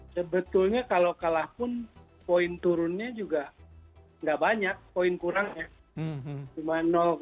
sebetulnya kalau kalah pun poin turunnya juga nggak banyak poin kurang ya cuma empat puluh lima